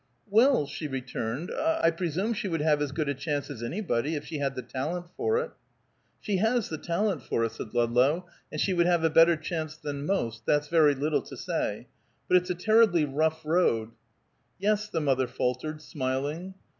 "Well," she returned, "I presume she would have as good a chance as anybody, if she had the talent for it." "She has the talent for it," said Ludlow, "and she would have a better chance than most that's very little to say but it's a terribly rough road." "Yes," the mother faltered, smiling.